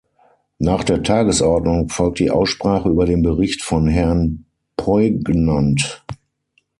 Nach der Tagesordnung folgt die Aussprache über den Bericht von Herrn Poignant.